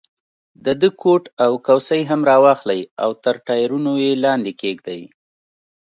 د ده کوټ او کوسۍ هم را واخلئ او تر ټایرونو یې لاندې کېږدئ.